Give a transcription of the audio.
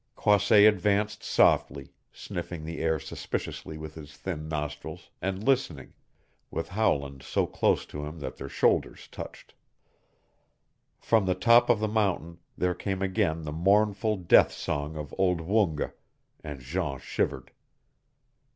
Croisset advanced softly, sniffing the air suspiciously with his thin nostrils, and listening, with Howland so close to him that their shoulders touched. From the top of the mountain there came again the mournful death song of old Woonga, and Jean shivered.